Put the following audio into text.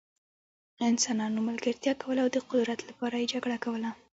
انسانانو ملګرتیا کوله او د قدرت لپاره یې جګړه کوله.